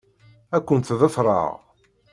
Ad kent-ḍefṛeɣ.